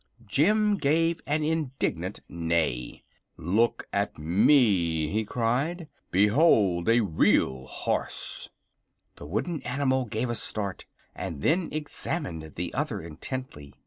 Jim gave an indignant neigh. "Look at me!" he cried. "Behold a real horse!" The wooden animal gave a start, and then examined the other intently.